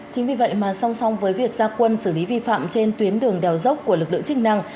chính vì vậy mà song song với việc gia quân xử lý vi phạm trên tuyến đường đèo dốc của lực lượng chức năng